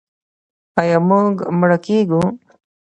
آیا موږ مړه کیږو؟